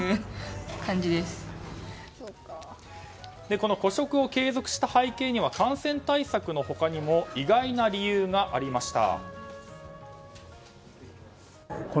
この個食を継続した背景には感染対策の他にも意外な理由がありました。